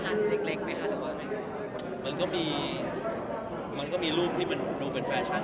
มันก็มีมันมีรูปดูเป็นแฟนชั่น